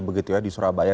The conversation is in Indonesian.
begitu ya di surabaya